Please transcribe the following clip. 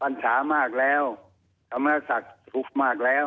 ัญชามากแล้วธรรมศักดิ์ทุกข์มากแล้ว